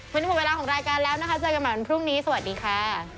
วันนี้หมดเวลาของรายการแล้วนะคะเจอกันใหม่วันพรุ่งนี้สวัสดีค่ะ